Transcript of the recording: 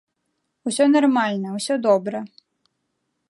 Усё нармальна, усё добра.